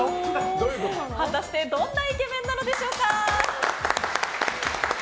果たして、どんなイケメンなんでしょうか。